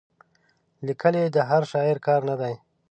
لیکل یې د هر شاعر کار نه دی.